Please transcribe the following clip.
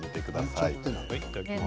いただきます。